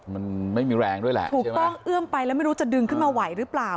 มันไม่มีแรงด้วยแหละถูกต้องเอื้อมไปแล้วไม่รู้จะดึงขึ้นมาไหวหรือเปล่า